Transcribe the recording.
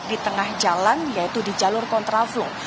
di tengah jalan yaitu di jalur kontraflu